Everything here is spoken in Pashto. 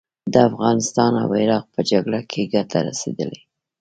د افغانستان او عراق په جګړه کې ګټه رسېدلې.